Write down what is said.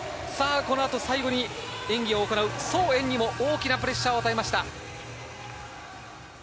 このあと、最後に演技を行うソウ・エンにも大きなプレッシャーを与えました。